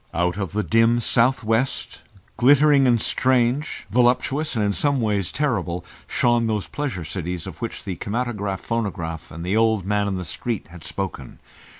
Out of the dim south west, glittering and strange, voluptuous, and in some way terrible, shone those Pleasure Cities of which the kinematograph phonograph and the old man in the street had spoken.